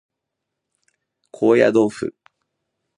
高野豆腐